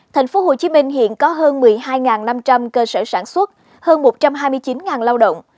tp hcm hiện có hơn một mươi hai năm trăm linh cơ sở sản xuất hơn một trăm hai mươi chín lao động